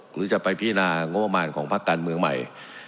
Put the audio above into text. หรือจะไปพินางบประมาณของพักการเมืองใหม่